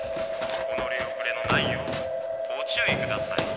・お乗り遅れのないようご注意ください。